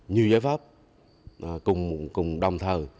nhiều giải pháp cùng đồng thời